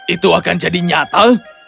itu akan jadi nyata